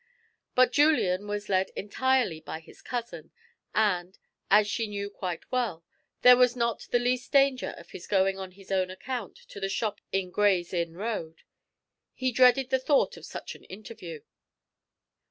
But Julian was led entirely by his cousin, and, as she knew quite well, there was not the least danger of his going on his own account to the shop in Gray's Inn Road; he dreaded the thought of such an interview.